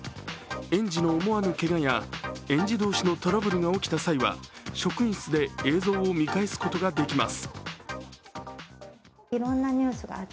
園児の思わぬけがや園児同士のトラブルが起きた際は職員室で映像を見返すことができます。